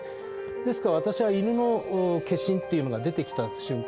ですから私は犬の化身っていうのが出てきた瞬間